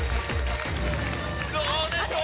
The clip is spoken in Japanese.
どうでしょう？